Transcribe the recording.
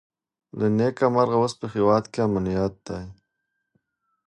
له نېکمرغه اوس په هېواد کې امنیت دی.